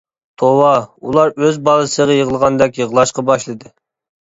توۋا ئۇلار ئۆز بالىسىغا يىغلىغاندەك يىغلاشقا باشلىدى.